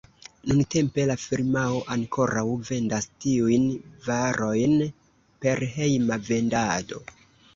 Nuntempe la firmao ankoraŭ vendas tiujn varojn per hejma vendado.